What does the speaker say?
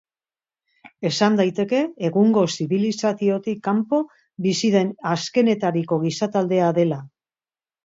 Esan daiteke egungo zibilizaziotik kanpo bizi den azkenetariko giza-taldea dela.